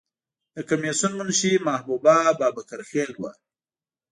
د کمیسیون منشی محبوبه بابکر خیل وه.